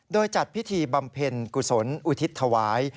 โดยจัดพิธีบำเพ็ญกุศลอุทิศถวาย